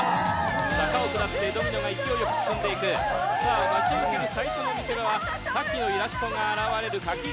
坂を下ってドミノが勢いよく進んでいくさあ待ち受ける最初の見せ場は賀喜のイラストが現れる賀喜ゾーン。